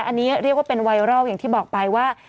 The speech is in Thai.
อันนี้เรียกว่าเป็นไวรัลอย่างที่บอกไปว่า